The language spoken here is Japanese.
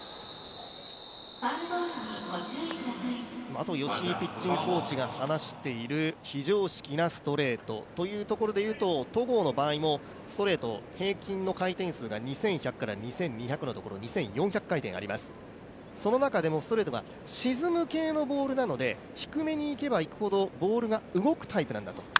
あと吉井ピッチングコーチが話している、非常識なストレートというところで言いますと戸郷の場合もストレート、平均の回転数が２１００から２３００のところ２４００回転あります、その中でもストレートが沈む系のボールなので低めにいけばいくほど、ボールが動くタイプなんだと。